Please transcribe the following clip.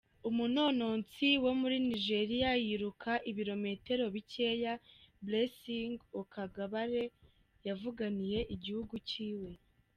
Umunonotsi wo muri Nigeria yiruka ibirometero bikeya, Blessing Okagbare, yavuganiye igihugu ciwe.